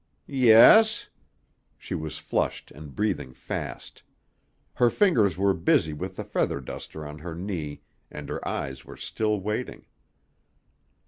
"Yes?" She was flushed and breathing fast. Her fingers were busy with the feather duster on her knee and her eyes were still waiting.